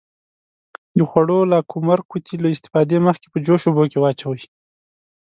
د خوړو لاکمُر قوطي له استفادې مخکې په جوش اوبو کې واچوئ.